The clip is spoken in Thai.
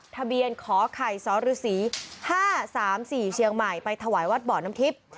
ทะเบียนขอไข่สรศรี๕๓๔เชียงใหม่ไปถวายวัดบ่อน้ำทิพย์